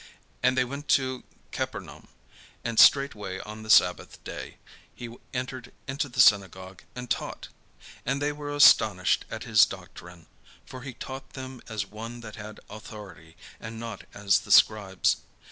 And they went into Capernaum; and straightway on the sabbath day he entered into the synagogue, and taught. And they were astonished at his doctrine: for he taught them as one that had authority, and not as the scribes.